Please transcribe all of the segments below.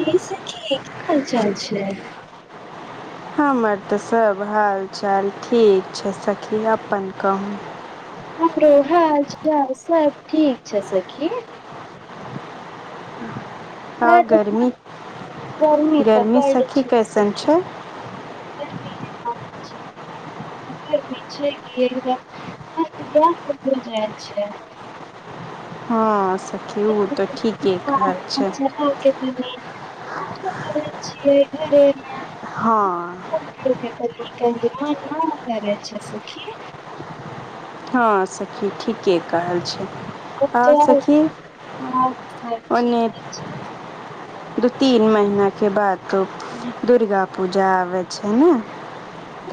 की सखी कि हाल चाल छय हमर तऽ सब हालचाल ठीक छै सखी अपन कहू हमरो हाल चाल सब ठीक छय सखी आ गर्मी गर्मी तऽ बड सखी छय कैसन सखी छै [unintelligible] गर्मि छय की [unintelligible] हा सखी ओ तऽ ठीके कहै छैय चला के तनी कुछो करै छियै घरे मे हा त गर्मि त नाम करै छै सखी हा सखी ठीके कहल छै हाल आओर चाल सखी औरसब ओन्ने ठीके छै [unintelligible] दू तीन महीना के बाद तऽ दुर्गा पूजा आबय छै न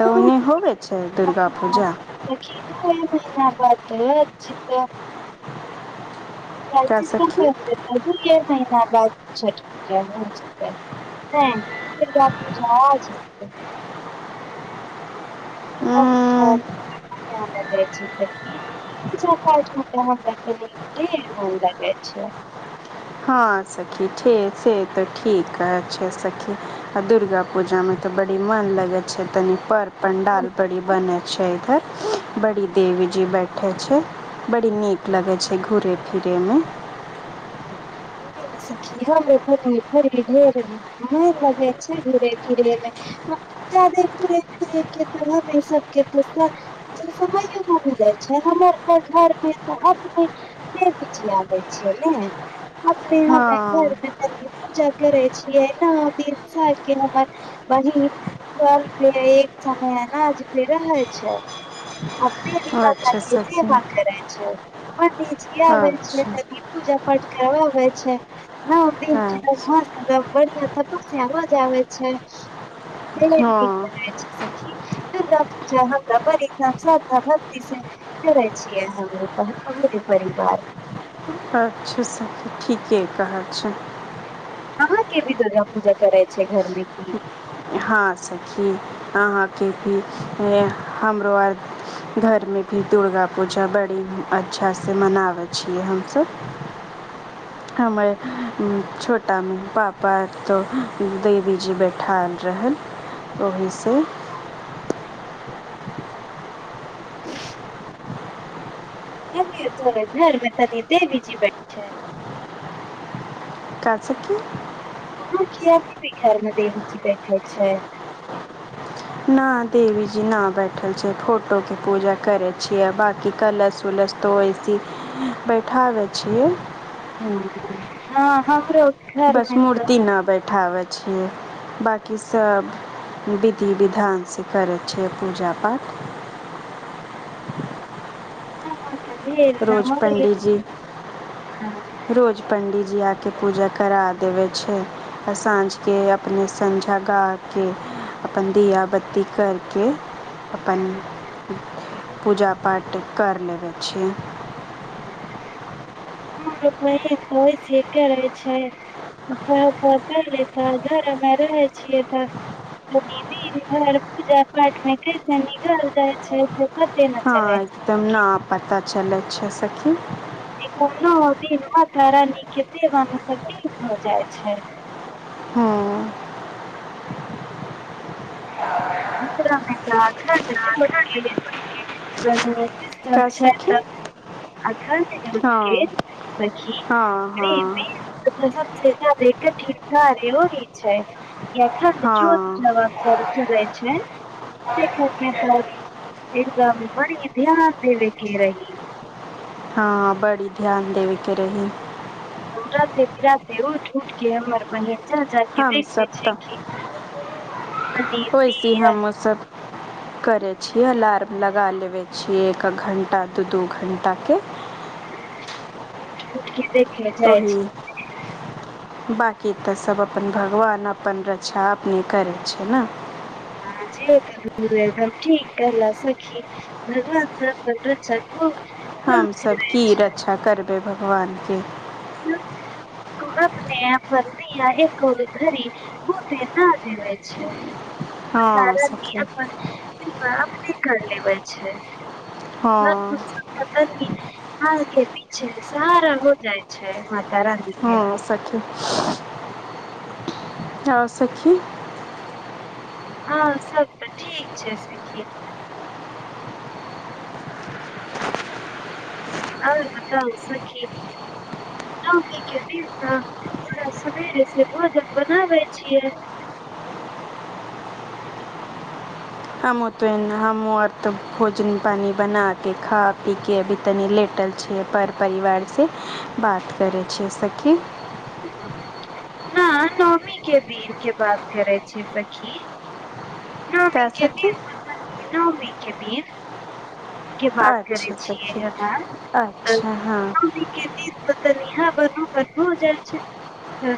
तऽ ओन्ने होतै होवै छय दुर्गा पूजा बात छी तऽ [unintelligible] का सखी [unintelligible] आ दुये महिना बाद छठ पूजा हो जेतै हा फेर रात मे [unintelligible] उम्म, [unintelligible] देखही पूजा पाठ मे त हमरा सबके ढेर मोन लगैय छय हँ सखी ठे से त ठीक है अच्छे सखी आ दुर्गा पूजा में तो बड मन लगे छै तनी पर पंडाल बड़ी बने छै इधर बड़ी देवीजी बैठे छय बड़ी नीक लगै छय घुरय फिरय में उहे न सखी हमरो घुमय फिरै मे ढेर मन लगे छै घूरे फिरे मे जाादे घुरे फिरे के त सबके समय [unintelligible] छै हमर घर मे तऽ [unintelligible] अपने हम घर हँ मे पूजा करे रहे छियै न [unintelligible] बहिन सबके एक समयनाज भ रहे छै [unintelligible] जे भी माता अच्छा के सखी सेवा करै छै पंडी जी आबय छै अच्छा तनी पूजा करबै छै अच्छा [unintelligible] वरना तप्स्या भो जाबै छय हँ [unintelligible] सखी जे हम बरी श्रद्धा भक्ति से करै छियै हमरे पुरे परिवार [unintelligible] अच्छा सखी ठीके कहै छय अहाँ के भी दुर्गा पूजा करै छै घर मे की हाँ सखी अहा के भी हमरो आर घर मे भी दुर्गा पूजा बड़ी अच्छा से मनाबै छियै हमसब [unintelligible] हमर अ छोटा पापा तऽ देवी जी बैठा रहल ओहिसे [unintelligible] अ गे तोरा घर मे त कहल्ही देवीजी बैठ का सखी [unintelligible] देवी जी बैठय छै न देवी जी न बैठल छै फोटो के पूजा करे छिये बाकी कलश उलश ऐसेही बैठाबै छिये ह हमरो घर बस मे तऽ मूर्ति ना बैठाबै छियै बाकी सब विधि विधान से करै छिय पूजा पाठ हा हा रोज पंडित जी रोज पंडित जी आ के पूजा करा देबै छै आ साँझके अपने संझा गा के अपन दिया बत्ती करके अपन पूजा पाठ करि लेबै छी ह गे बहिन वैसे करै छय [unintelligible] घर हम रहै छियै तऽ दिन भर पूजा पाठमे कैसे निकल जाय छै से पते नय रहै छय हा एकदम न पता चलै छै सखी इ नौ दिन मातारानी के सेवा में त [unintelligible] हँ [unintelligible] छै का सखी तऽ हँ हँ अखन हँ सखी [unintelligible] हँ [unintelligible] से घर मे त [unintelligible] एकरा मे बड़ी ध्यान देबेके रही हा बड़ी ध्यान देबके रही राते बिराते उठ उठ के हमर बहिन जा जा के देखै छय की वैसी हमहु सब करैत छियै अलार्म लगा लेबै छियै एक- एक घण्टा दू दू घण्टा के उठ उठ के देखे जाय छिये बाँकी तऽ सब अपन भगवान अपन रक्षा अपने करै छै ने ह जे त एकदम ठीक कहला सखी भगवान त अपन रक्षा खूब खूब हमसब करै की छै रक्षा करबै भगवान के तब ने हम अपन दिया एको घड़ी बोते न देवे छै माता हँ रानी सखी अपन सिवा अपन की कर लेबै छै हँ आगे पिछे सारा हो जाइ छै माता रानी हां के सखी हां सखी हँ सभ तऽ ठीक छै सखी और बताउ सखी देवता हमरा सवेरे से भोजन बनाबै छियै [unintelligible] हमहु त हम्हु आर तऽ भोजन पानी बना के खा पीके अभी तनि लेटल लेटल छियै पर परिवार से बात करै छिये सखी [unintelligible] न नौमी के दिन के बात करै छी सखी का नौमी के सखी दिन [unintelligible] के बात करै अच्छा सखी छियै हम अच्छा हँ नौमी के दिन त तऽनी हवन उबन हो जाय छै त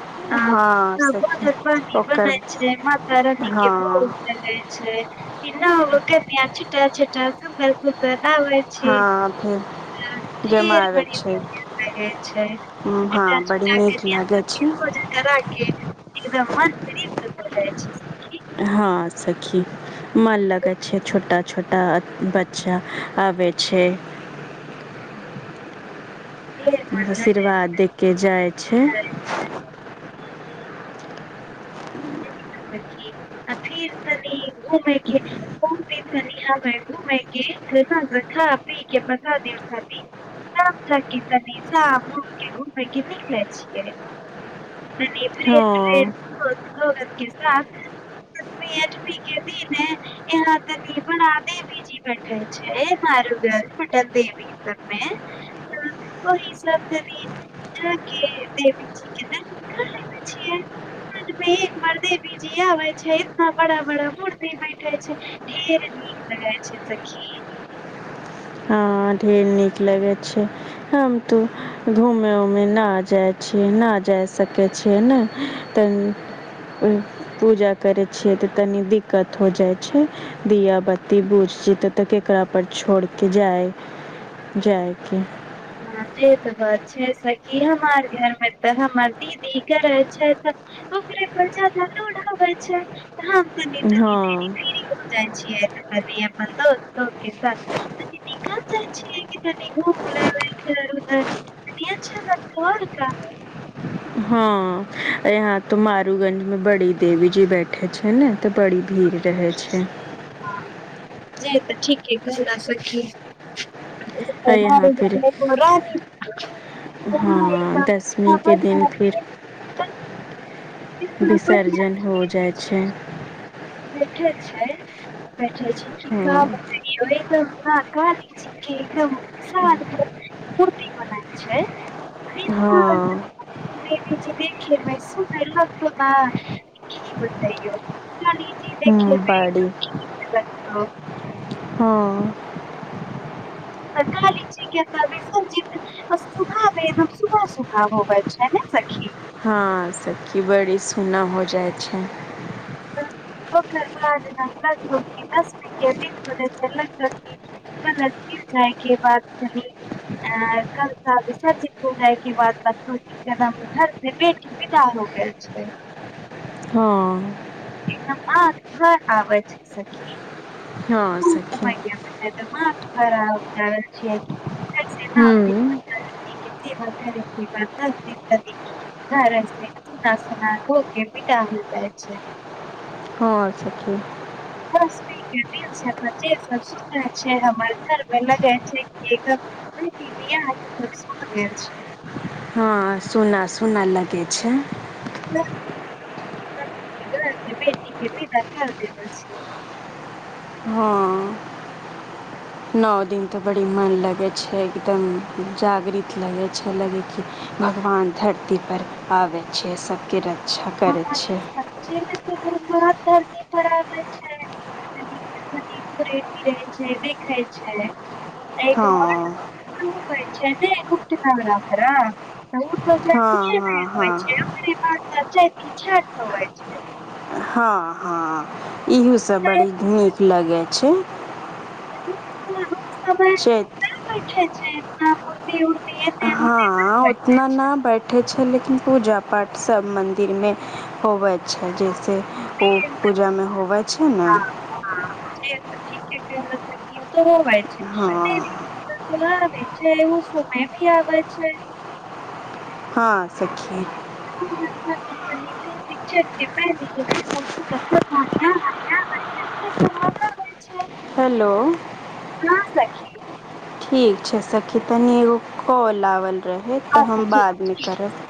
हँ त सखी भोजन पानी ओकर बनय छय मातारानी के भोग हँ लगइ छै की नोब कन्या छोटे छोटे सुन्दर सुन्दर नावे छै हँ फेर ढेर जमाबै बढ़ि छै बढिया रहै छै छोटे छोटे हँ बड़ी कन्या नीक लागै सब के छै भोजन करा के एकदम मन त्रिप्त भो जाय छै सखी हँ सखी मन लगे छै छोटा छोटा बच्चा आबे छै ढेर मन लगै आशिर्वाद दे कऽ जाय छै खी फिर तनि घूमय के बहुत दिन तनि हमे घूमय के एकदम ख़ा पी के प्रसादी उर्शादी तब जाके कनी साँम उमके घुमै ले निकलै छियै तनी फ्रेंड हँ [unintelligible] सतमी अठमी के दिन यहाँ तनी बड़ी देवीजी बैठे छै बमे [unintelligible] जा के देबी जी देवी जी आबे छै एतना बड़ा बड़ा मूर्ति बैठे छै ढेर नीक लगै छै सखी हँ हा ढेर नीक लगे छै हम त घूमे उमे न जाय छीयै जा सकै छियै ने तऽ पूजा करैत छियै तऽ तनी दिक्कत हो जाय छै दीया बत्तती बूझ छियय त तऽ केकरा पर छोड़ के जाय जायके ह जे त बात छै सखी की हमर घरमे तऽ हमर दीदी करै छय ओकरे पर ज्यादा लोड नै होै छै त हम तनि तनि हँ देर पर फ्री हो जाय छिये [unintelligible] [unintelligible] हा यहाँ तो मारूगंजमे बड़ी देवी जी बैठे छै ने तऽ बड़ी भीड़ भीड़ रहै छय जे तऽ ठीके कहले सखी आओर यहाँ [unintelligible] हँ हं एकदम बढ़िया दसमीके दिन फेर बिसर्जन बढ़िया हो जाय छै बैठे छै बैठे छै की हँ आहिठाम का काली जी के एकदम साल भर मुर्ति बनय छै हँ देवीजी देखैमे सुन्दर लगतौ न से की बतैयौ काली जी देख बड़ी हँ काली जी के विसर्जित एकदम सुना सूना हो गेल छै ने सखी हँ सखी बड़ी सुना हो जाइ छै ओकरबाद जे लगतौ कि दसमीके दिन रहै छै कनत के जाइके बात कही अ कल क विसर्जित हो जाय के बाद बच्चो कदम घर से बेटी बिदा हो हो जाइ छै हँ अखन भाग घर आबै छै सखी हँ सखी हरा उपजाबल छियै हूं ह सेव कर सेवा त अतिरतै [unintelligible] खर छै चनासना हो बीदा होल जाइ छै हँ सखी दसमी के दिन जे सब सुतै छैसुर हमर घर मे लगै छै बेटी बियाह कक सुत गेल छै हँ सुना सुना लगे छै ह [inaudible] सब गर बेटीके लेल बता द छिय हँ नओ दिन तऽ बड़ी मन लगैत छै एकदम जागृत लगैत छै लगै भगवान धरती पर आबै छियै सबके र हमरा त सच्चेमे पेट बरा दर्द पर आबै छै धनीकस धनीक रहै छै देखै छै ऐ हँ के बाद शुरू होय छै न गुप्तनवरात्रा हँ हँ हँ ओकरे [unintelligible] हँ हँ इहो सब बड़ी नीक लगै छै सु [unintelligible] चैत हँ मुर्ति उर हँ उतना ना बैठे छै लेकिन पूजा पाठ सब मन्दिरमे होबै छै जइसे ओ पूजामे होबै छै न त होइ छै हँ [unintelligible] त दुआ दै छै एगो समय भी आबै छै हँ सखी [inaudible] शिक पहि द क होइ छै होइ हेलो छै कहाँ सखी ठीक छै सखी तनी एगो कॉल आवल रहै तऽ अच्छा हम ठीक बादमे छै करब